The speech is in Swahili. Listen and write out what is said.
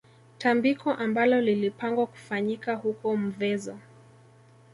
Tambiko ambalo lilipangwa kufanyika huko Mvezo